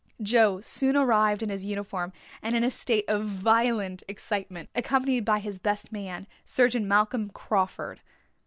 Joe soon arrived in his uniform and a state of violent excitement, accompanied by his best man, Sergeant Malcolm Crawford.